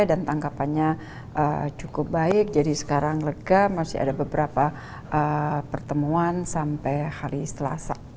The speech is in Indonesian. dan tangkapannya cukup baik jadi sekarang lega masih ada beberapa pertemuan sampai hari selasa